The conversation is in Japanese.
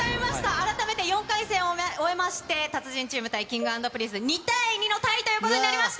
改めて４回戦を終えまして、達人チーム対Ｋｉｎｇ＆Ｐｒｉｎｃｅ、２対２のタイということになりました。